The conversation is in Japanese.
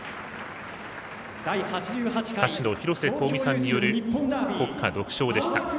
歌手の広瀬香美さんによる国歌独唱でした。